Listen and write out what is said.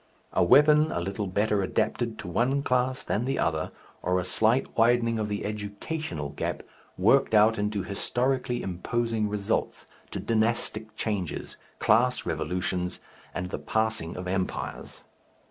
A weapon a little better adapted to one class than the other, or a slight widening of the educational gap, worked out into historically imposing results, to dynastic changes, class revolutions and the passing of empires.